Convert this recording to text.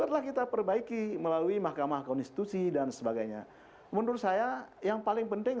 telah kita perbaiki melalui mahkamah konstitusi dan sebagainya menurut saya yang paling penting